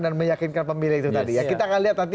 dan meyakinkan pemilih itu tadi ya kita akan lihat nanti